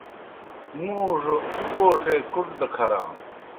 مُوڙوْ گوڙے کُٹ دہ کھرانوْ۔